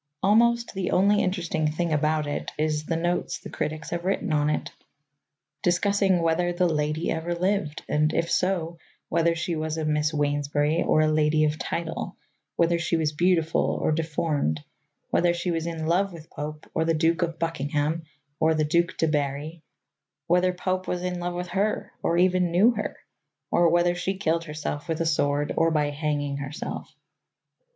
Almost the only interesting thing about it is the notes the critics have written on it, discussing whether the lady ever lived, and, if so, whether she was a Miss Wainsbury or a lady of title, whether she was beautiful or deformed, whether she was in love with Pope or the Duke of Buckingham or the Duc de Berry, whether Pope was in love with her, or even knew her, or whether she killed herself with a sword or by hanging herself.